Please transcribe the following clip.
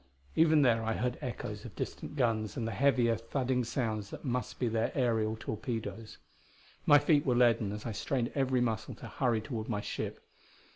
Even there I heard echoes of distant guns and the heavier, thudding sounds that must be their aerial torpedoes. My feet were leaden as I strained every muscle to hurry toward my ship.